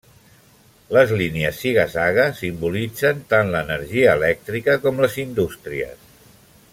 Les línies ziga-zaga simbolitzen tant l'energia elèctrica com les indústries.